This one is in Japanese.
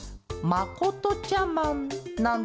まことちゃマンいいね！